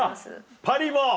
パリも！